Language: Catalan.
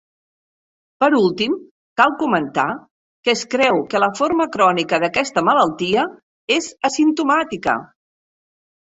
Per últim, cal comentar, que es creu que la forma crònica d'aquesta malaltia, és asimptomàtica.